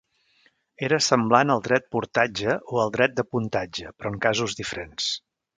Era semblant al dret portatge o al dret de pontatge, però en casos diferents.